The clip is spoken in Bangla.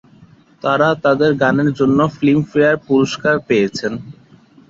তারা তাদের গানের জন্য ফিল্মফেয়ার পুরস্কার পেয়েছেন।